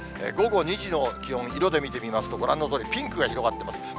午後２時の気温、色で見てみますと、ご覧のとおりピンクが広がっています。